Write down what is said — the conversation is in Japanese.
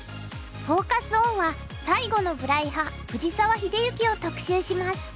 フォーカス・オンは最後の無頼派藤沢秀行を特集します。